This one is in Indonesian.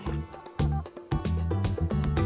jadi ini udah cukup